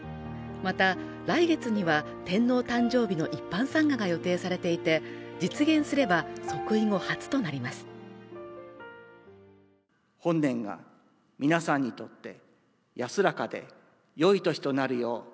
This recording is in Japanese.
また来月には天皇誕生日の一般参賀が予定されていて実現すれば即位後初となります